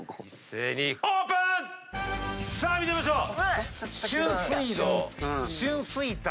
さあ見てみましょう。